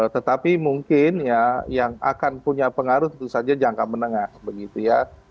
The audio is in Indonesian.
tetapi mungkin ya yang akan punya pengaruh tentu saja jangka menengah begitu ya